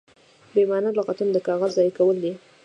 بې مانا لغتونه د کاغذ ضایع کول دي.